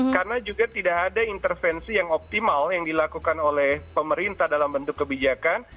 karena juga tidak ada intervensi yang optimal yang dilakukan oleh pemerintah dalam bentuk kebijakan